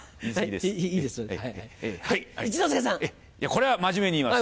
これは真面目に言います。